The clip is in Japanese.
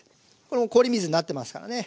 これも氷水になってますからね。